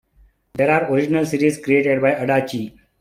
These are original series created by Adachi.